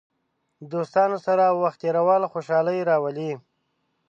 دوستانو سره وخت تېرول خوشحالي راولي.